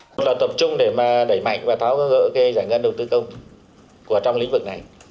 đó là tập trung để đẩy mạnh và tháo gỡ giải ngân đầu tư công trong lĩnh vực này